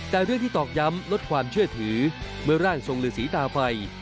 แต่เรื่องที่ตอกย้ำลดความเชื่อถือเมื่อร่างทรงฤษีตาไฟ